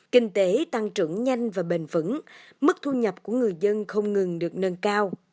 kinh tế tăng trưởng nhanh và bền vững mức thu nhập của người dân không ngừng được nâng cao